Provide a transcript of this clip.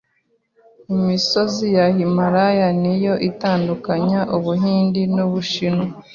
imisozi ya Himalaya niyo itandukanya ubuhinde n’Ubushinwa